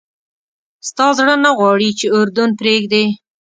ستا زړه نه غواړي چې اردن پرېږدې.